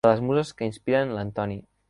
De les muses que inspiren l'Antoni.